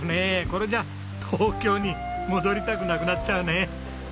これじゃあ東京に戻りたくなくなっちゃうね。